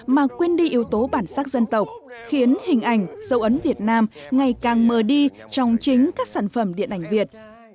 mà quên đi yếu tố bản sắc dân tộc khiến hình ảnh dấu ấn việt nam ngày càng mờ đi trong chính các sản phẩm điện ảnh việt